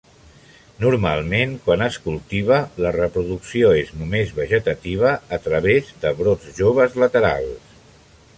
Normalment quan es cultiva la reproducció és només vegetativa a través de brots joves laterals.